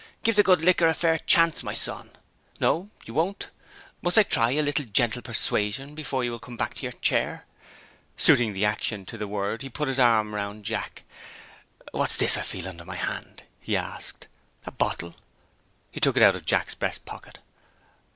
Give the good liquor a fair chance, my son. No, you won't? Must I try a little gentle persuasion before you will come back to your chair?" Suiting the action to the word, he put his arm round Jack. "What's this I feel under my hand?" he asked. "A bottle?" He took it out of Jack's breast pocket.